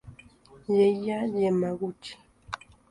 Seiya Yamaguchi